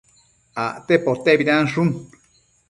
acte potebidanshun